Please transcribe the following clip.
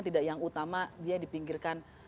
tidak yang utama dia dipinggirkan